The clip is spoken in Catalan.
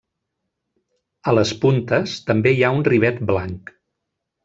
A les puntes també hi ha un rivet blanc.